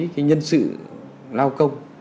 cái nhân sự lao công